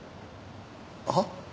はっ？